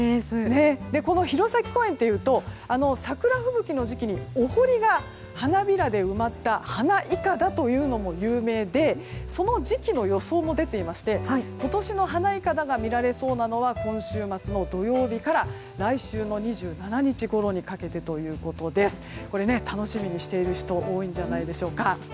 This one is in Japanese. この弘前公園というと桜吹雪の時期にお堀が花びらで埋まった花筏も有名でその時期の予想も出ていまして今年の花筏が見られそうなのは今週末の土曜日から来週の２７日ごろにかけてということで楽しみにしている人も多いんじゃないでしょうか。